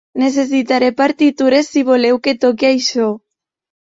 Necessitaré partitures si voleu que toqui això.